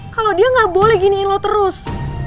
kalo dia gak boleh giniin lo terus